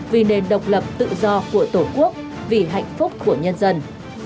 vì nền độc lập tự do của tổ quốc vì hạnh phúc của nhân dân